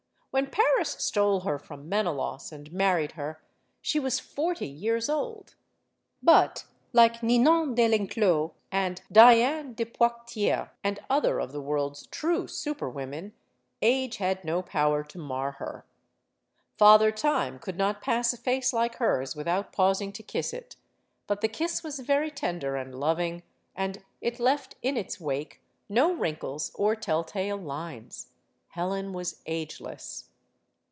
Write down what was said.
When Paris stole her from Menelaus and married her, she was forty years old. But, like Ninon de Lenclos and Diane de Poictiers and other of the world's true super women, age had no power to mar her. Father Time could not pass a face like hers without pausing to kiss it; but the kiss was very tender and loving, and it left in its wake no wrinkles or telltale lines. Helen was ageless.